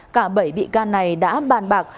cả bảy bị can này đã bàn bạc